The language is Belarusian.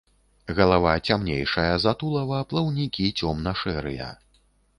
Галава цямнейшая за тулава, плаўнікі цёмна-шэрыя.